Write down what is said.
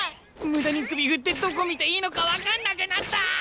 無駄に首振ってどこ見ていいのか分かんなくなった！